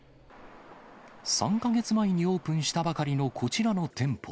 ３か月前にオープンしたばかりのこちらの店舗。